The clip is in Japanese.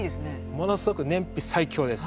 ものすごく燃費最強です。